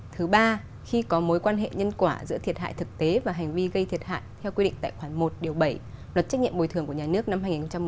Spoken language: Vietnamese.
thứ ba khi có mối quan hệ nhân quả giữa thiệt hại thực tế và hành vi gây thiệt hại theo quy định tại khoản một điều bảy luật trách nhiệm bồi thường của nhà nước năm hai nghìn một mươi